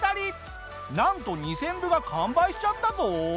なんと２０００部が完売しちゃったぞ！